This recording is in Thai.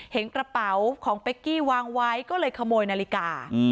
เห็นกระเป๋าของเป๊กกี้วางไว้ก็เลยขโมยนาฬิกา